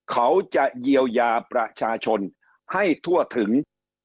เขาจะเยียวยาประชาชนให้ทั่วถึง